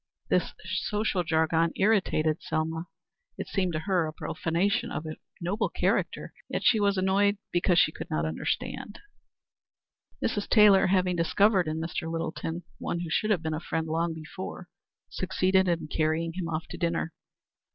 This social jargon irritated Selma. It seemed to her a profanation of a noble character, yet she was annoyed because she could not understand. Mrs. Taylor, having discovered in Mr. Littleton one who should have been a friend long before, succeeded in carrying him off to dinner.